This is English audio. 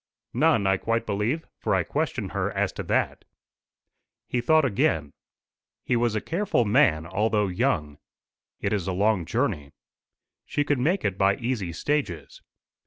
"None, I quite believe; for I questioned her as to that." He thought again. He was a careful man, although young. "It is a long journey." "She could make it by easy stages."